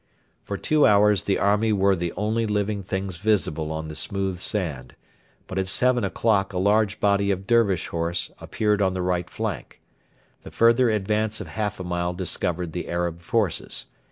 For two hours the army were the only living things visible on the smooth sand, but at seven o'clock a large body of Dervish horse appeared on the right flank. The further advance of half a mile discovered the Arab forces.